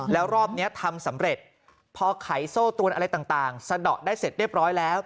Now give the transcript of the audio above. แล้วรอบนี้ทำสำเร็จพอไขโซ่ตวนอะไรต่างสะดอกได้เสร็จเรียบร้อยแล้ว